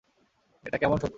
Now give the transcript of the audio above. এটা কেমন সত্য?